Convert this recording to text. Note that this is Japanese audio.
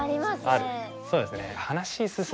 そうですよね。